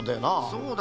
そうだよ。